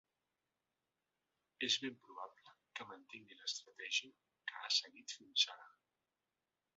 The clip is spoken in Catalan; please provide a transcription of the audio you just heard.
És ben probable que mantingui l’estratègia que s’ha seguit fins ara.